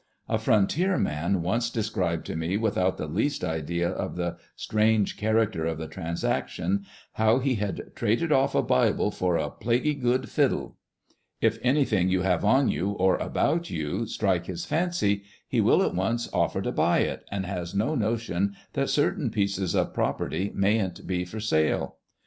A frontier man once described to me without the least idea of the strange character of the transaction, how he had " traded off a bible for a plaguey good fiddle." If anything you have on you, or about you strike his fancy, he will at once offer to buy it, and has no notion that certain pieces of pro perty mayn't be for sale.